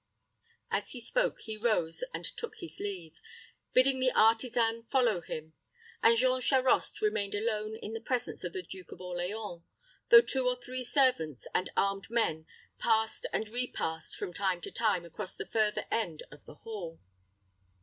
As he spoke, he rose and took his leave, bidding the artisan follow him; and Jean Charost remained alone in the presence of the Duke of Orleans, though two or three servants and armed men passed and repassed from time to time across the further end of the hall.